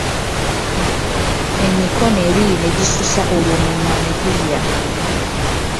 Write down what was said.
Emikono ebiri ne gisusa olwo omumwa ne gulya.